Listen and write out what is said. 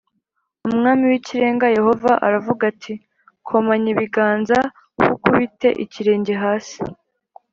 Umwami w Ikirenga Yehova aravuga ati komanya ibiganza h ukubite ikirenge hasi